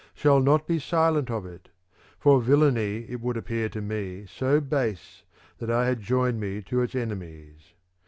Shall not be silent of it ; for villainy it would ap pear to me so base that I had joined me to its enemies.